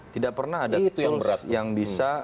tidak pernah ada tools yang bisa